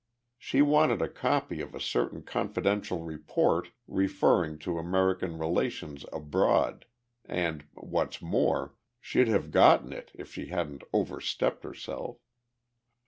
She wanted a copy of a certain confidential report referring to American relations abroad, and, what's more, she'd have gotten it if she hadn't overstepped herself.